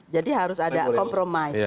jadi harus ada kompromis